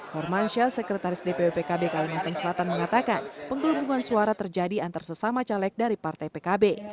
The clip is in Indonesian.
hormansyah sekretaris dpw pkb kalimantan selatan mengatakan penggelembungan suara terjadi antar sesama caleg dari partai pkb